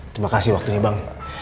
terima kasih waktu ini bang